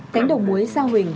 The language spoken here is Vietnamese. cánh đồng muối sao huỳnh